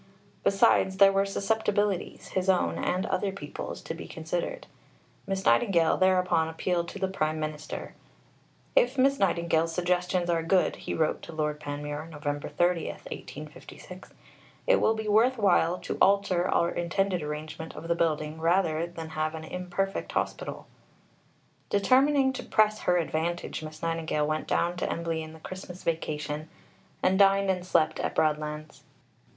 Besides, there were susceptibilities his own and other people's to be considered. Miss Nightingale thereupon appealed to the Prime Minister. "If Miss Nightingale's suggestions are good," he wrote to Lord Panmure (Nov. 30, 1856), "it will be worth while to alter our intended arrangement of the building rather than have an imperfect Hospital." Determining to press her advantage, Miss Nightingale went down to Embley in the Christmas vacation, and dined and slept at Broadlands.